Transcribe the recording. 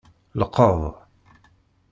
Lqeḍ.